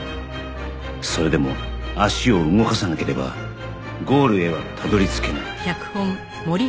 それでも足を動かさなければゴールへはたどり着けない